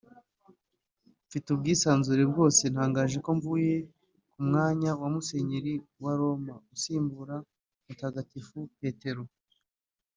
mfite ubwisanzure bwose ntangaje ko mvuye ku mwanya wa Musenyeri wa Roma usimbura Mutagatifu Petero